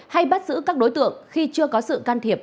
hay bắt giữ các đối tượng khi chưa có sự can thiệp